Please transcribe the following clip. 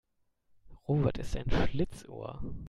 Robert ist ein Schlitzohr.